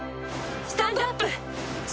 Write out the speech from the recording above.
スタンドアップ！